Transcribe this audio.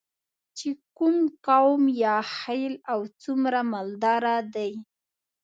چې کوم قوم یا خیل او څومره مالداره دی.